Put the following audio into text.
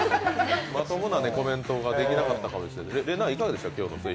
まともなコメントができなかったかもしれませんね。